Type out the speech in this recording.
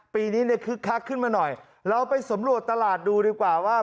ปีนี้เนี่ยคึกคักขึ้นมาหน่อยเราไปสำรวจตลาดดูดีกว่าว่า